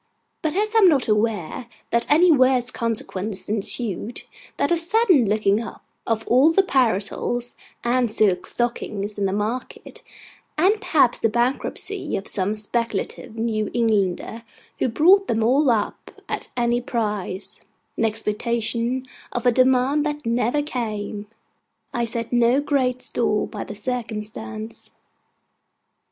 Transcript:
But as I am not aware that any worse consequence ensued, than a sudden looking up of all the parasols and silk stockings in the market; and perhaps the bankruptcy of some speculative New Englander who bought them all up at any price, in expectation of a demand that never came; I set no great store by the circumstance.